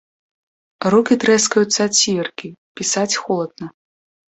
Рукі трэскаюцца ад сіверкі, пісаць холадна.